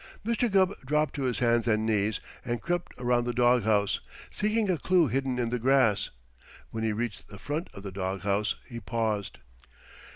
Mr. Gubb dropped to his hands and knees and crept around the dog house, seeking a clue hidden in the grass. When he reached the front of the dog house he paused.